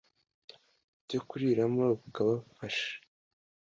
Byo kuriramo r bakabafasha